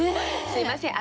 すみません。